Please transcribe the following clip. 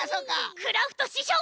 クラフトししょう！